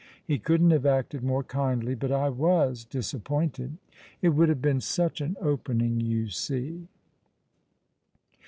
He couldn't have acted more kindly — but I was disaiDpointed. It would have been such an opening, you see."